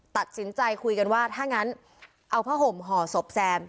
ตัดสินใจคุยกันว่าถ้างั้นเอาผ้าห่มห่อศพแซม